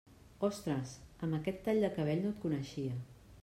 Ostres, amb aquest tall de cabell no et coneixia.